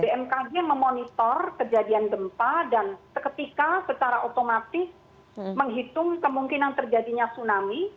bmkg memonitor kejadian gempa dan seketika secara otomatis menghitung kemungkinan terjadinya tsunami